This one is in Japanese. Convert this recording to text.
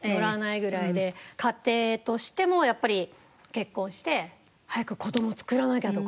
家庭としてもやっぱり結婚して早く子どもを作らなきゃとか。